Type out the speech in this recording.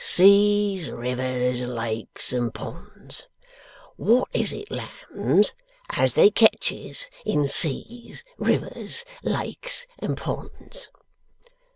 Seas, rivers, lakes, and ponds. Wot is it, lambs, as they ketches in seas, rivers, lakes, and ponds?